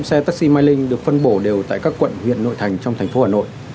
hơn hai trăm linh xe taxi mylink được phân bổ đều tại các quận huyện nội thành trong thành phố hà nội